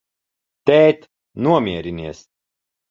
Tēt, nomierinies!